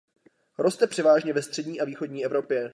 Roste převážně ve střední a východní Evropě.